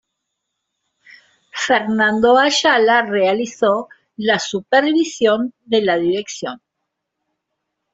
Fernando Ayala realizó la supervisión de la dirección.